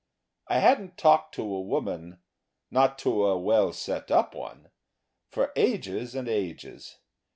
I hadn't talked to a woman not to a well set up one for ages and ages.